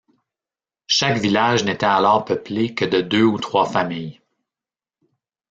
Chaque village n'était alors peuplé que de deux ou trois familles.